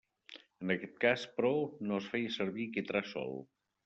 En aquest cas, però, no es feia servir quitrà sol.